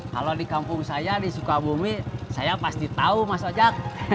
kalau di kampung saya di sukabumi saya pasti tahu mas ojek